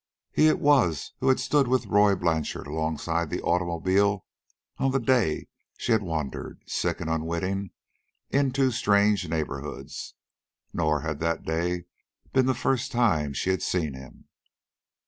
He it was who had stood with Roy Blanchard alongside the automobile on the day she had wandered, sick and unwitting, into strange neighborhoods. Nor had that day been the first time she had seen him.